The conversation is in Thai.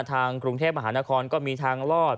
ทางกรุงเทพมหานครก็มีทางรอด